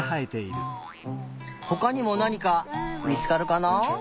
ほかにもなにかみつかるかな？